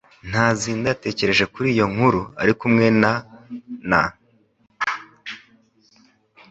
Ntazinda yatekereje kuri iyo nkuru ari kumwe na n